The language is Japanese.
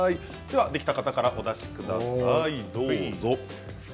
できた方からお出しください。